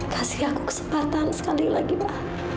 kasih aku kesempatan sekali lagi pak